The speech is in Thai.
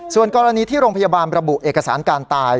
ส่วนกรณีที่โรงพยาบาลระบุเอกสารการตาย